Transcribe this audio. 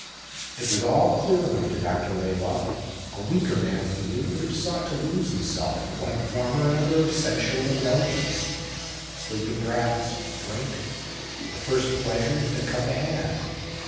It was all clear enough to Dr. Laidlaw. A weaker man, he knew, would have sought to lose himself in one form or another of sensual indulgence sleeping draughts, drink, the first pleasures that came to hand.